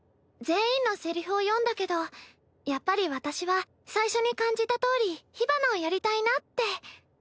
全員のセリフを読んだけどやっぱり私は最初に感じたとおりヒバナをやりたいなって。